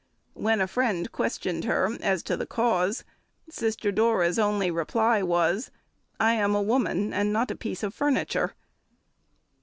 When a friend questioned her as to the cause, Sister Dora's only reply was, "I am a woman, and not a piece of furniture."